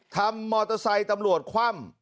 มอเตอร์ไซค์ตำรวจคว่ำ